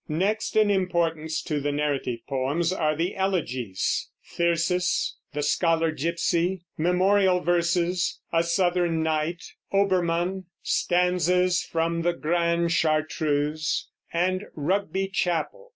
Next in importance to the narrative poems are the elegies, "Thyrsis," "The Scholar Gipsy," "Memorial Verses," "A Southern Night," "Obermann," "Stanzas from the Grande Chartreuse," and "Rugby Chapel."